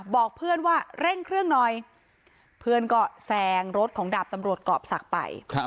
บอกเพื่อนว่าเร่งเครื่องหน่อยเพื่อนก็แซงรถของดาบตำรวจกรอบศักดิ์ไป